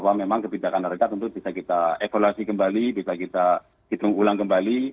bahwa memang kebijakan mereka tentu bisa kita evaluasi kembali bisa kita hitung ulang kembali